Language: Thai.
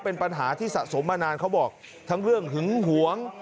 เป็นปัญหาที่สะสมมานานเขาบอกทั้งเรื่องหึงหวง